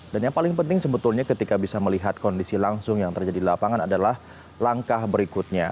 dan yang paling penting sebetulnya ketika bisa melihat kondisi langsung yang terjadi di lapangan adalah langkah berikutnya